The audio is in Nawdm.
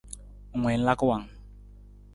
Ng wii ng laka wang ?